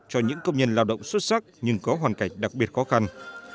cho những công nhân lao động xuất sắc nhưng có hoàn cảnh đặc biệt khó khăn